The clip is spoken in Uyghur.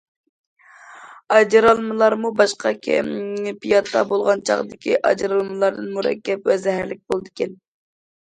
ئاجرالمىلارمۇ باشقا كەيپىياتتا بولغان چاغدىكى ئاجرالمىلاردىن مۇرەككەپ ۋە زەھەرلىك بولىدىكەن.